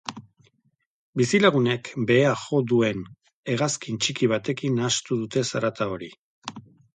Bizilagunek behea jo duen hegazkin txiki batekin nahastu dute zarata hori.